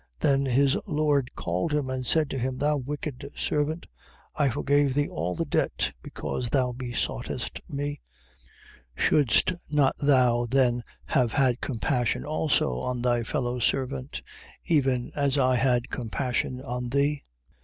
18:32. Then his lord called him: and said to him: Thou wicked servant, I forgave thee all the debt, because thou besoughtest me: 18:33. Shouldst not thou then have had compassion also on thy fellow servant, even as I had compassion on thee?